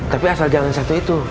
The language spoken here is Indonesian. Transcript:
tapi asal jangan satu itu